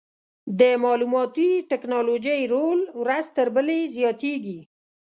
د معلوماتي ټکنالوژۍ رول ورځ تر بلې زیاتېږي.